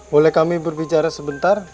boleh kami berbicara sebentar